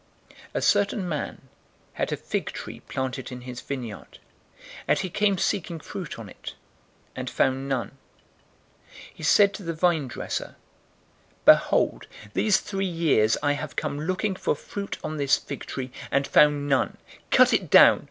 "A certain man had a fig tree planted in his vineyard, and he came seeking fruit on it, and found none. 013:007 He said to the vine dresser, 'Behold, these three years I have come looking for fruit on this fig tree, and found none. Cut it down.